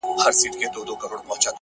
ورځه وريځي نه جــلا ســـولـه نـــن.